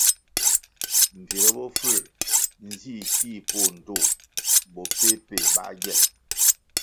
Mbvire bofuē nzih sih poh ndtoh bo peh-peh bā gyel.